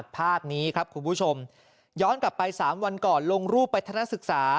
ภาพนี้ครับคุณผู้ชมย้อนกลับไป๓วันก่อนลงรูปไปธนศึกษา